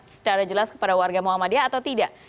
secara jelas kepada warga muhammadiyah atau tidak